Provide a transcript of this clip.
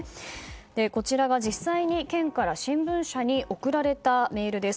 こちらが実際に県から新聞社に送られたメールです。